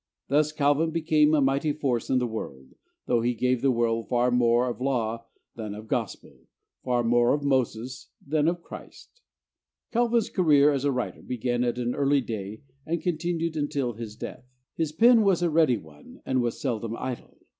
Thus Calvin became a mighty force in the world, though he gave the world far more of law than of gospel, far more of Moses than of Christ. [Illustration: JOHN CALVIN.] Calvin's career as a writer began at an early day and continued until his death. His pen was a ready one and was seldom idle.